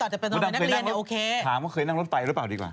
ดามคุณอยากคำถามว่าถามว่าเคยนั่งรถไฟหรือเปล่าดีกว่า